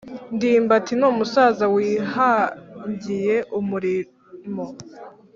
Ndimbati numusaza wihangiye umurimo